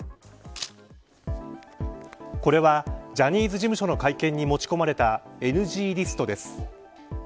これは、ジャニーズ事務所の会見に持ち込まれたＮＧリストです。